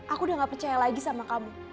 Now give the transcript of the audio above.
aku udah gak percaya lagi sama kamu